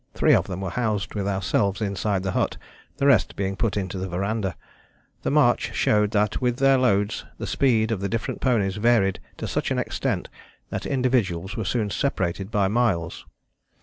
Three of them were housed with ourselves inside the hut, the rest being put into the verandah. The march showed that with their loads the speed of the different ponies varied to such an extent that individuals were soon separated by miles.